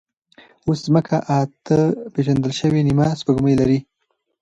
اوس ځمکه اته پېژندل شوې نیمه سپوږمۍ لري.